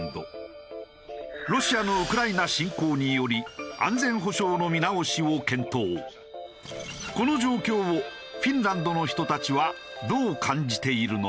ロシアのウクライナ侵攻によりこの状況をフィンランドの人たちはどう感じているのか？